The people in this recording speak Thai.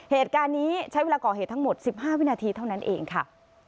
เหตุการณ์นี้ใช้เวลาก่อเหตุทั้งหมด๑๕วินาทีเท่านั้นเองค่ะ